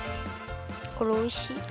これおいしい。